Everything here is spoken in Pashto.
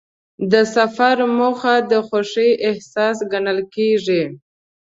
د سفر موخه د خوښۍ احساس ګڼل کېږي.